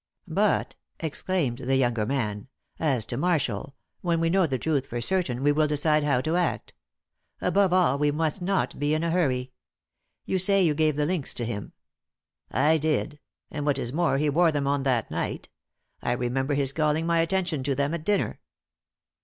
"But," exclaimed the younger man, "as to Marshall, when we know the truth for certain we will decide how to act. Above all we must not be in a hurry. You say you gave the links to him?" "I did. And what is more, he wore them on that night. I remember his calling my attention to them at dinner."